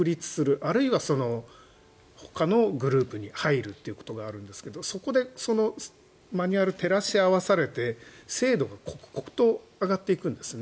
あるいはほかのグループに入るということがあるんですがそこでそのマニュアルを照らし合わされて精度が刻々と上がっていくんですね。